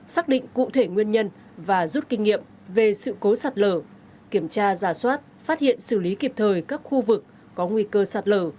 xác định cụ thể nguyên nhân và rút kinh nghiệm về sự cố sạt lở kiểm tra giả soát phát hiện xử lý kịp thời các khu vực có nguy cơ sạt lở